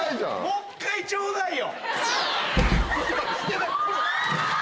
もう一回ちょうだいよ。